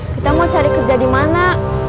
kita mau cari kerja di mana